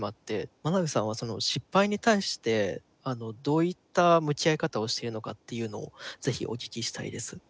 真鍋さんは失敗に対してどういった向き合い方をしているのかっていうのをぜひお聞きしたいです。